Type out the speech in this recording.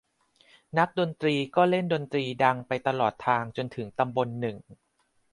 นักดนตรีก็เล่นดนตรีดังไปตลอดทาง จนถึงตำบลหนึ่ง